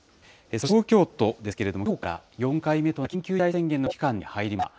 そして、東京都ですけれども、きょうから４回目となる緊急事態宣言の期間に入りました。